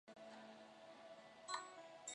常栖息在泥沙质海底。